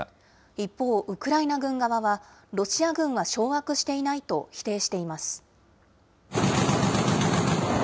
一方、ウクライナ軍側は、ロシア軍は掌握していないと否定しています。